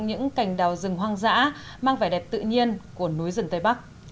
những cành đào rừng hoang dã mang vẻ đẹp tự nhiên của núi rừng tây bắc